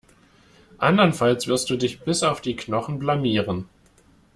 Andernfalls wirst du dich bis auf die Knochen blamieren.